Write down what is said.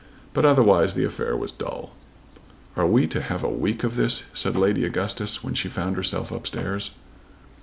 But otherwise the affair was dull. "Are we to have a week of this?" said Lady Augustus when she found herself up stairs.